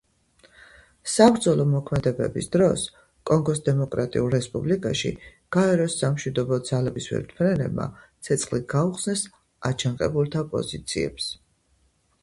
საბრძოლო მოქმედებების დროს კონგოს დემოკრატიულ რესპუბლიკაში გაეროს სამშვიდობო ძალების ვერტმფრენებმა ცეცხლი გაუხსნეს აჯანყებულთა პოზიციებს.